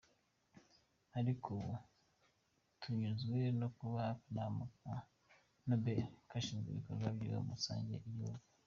"Ariko ubu, tunyuzwe no kuba akanama ka Nobel kashimye ibikorwa by'uwo dusangiye igihugu.